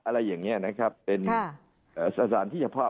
อะไรอย่างนี้นะครับเป็นสถานที่เฉพาะ